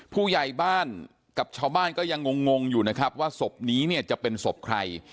ผู้ใหญ่บ้านกับชาวบ้านก็ยังงงอยู่นะครับว่าศพนี้เนี่ยจะเป็นศพใคร